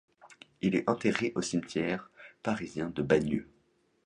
Il est enterré au cimetière parisien de Bagneux.